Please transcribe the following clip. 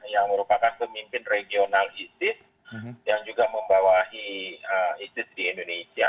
yang merupakan pemimpin regional isis yang juga membawahi isis di indonesia